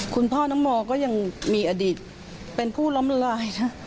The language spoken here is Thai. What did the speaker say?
คุณพ่อน้องโมก็ยังมีอดีตเป็นผู้ล้มละลาย